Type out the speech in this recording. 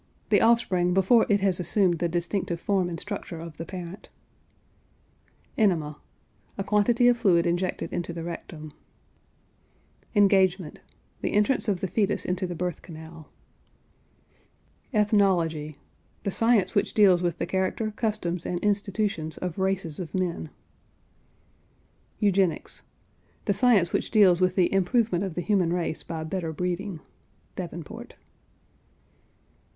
The offspring before it has assumed the distinctive form and structure of the parent. ENEMA. A quantity of fluid injected into the rectum. ENGAGEMENT. The entrance of the fetus into the birth canal. ETHNOLOGY. The science which deals with the character, customs, and institutions of races of men. EUGENICS. The science which deals with the improvement of the human race by better breeding. (Davenport.)